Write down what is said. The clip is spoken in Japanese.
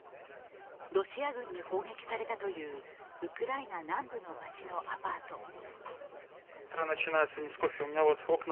ロシア軍に砲撃されたというウクライナ南部の街のアパート。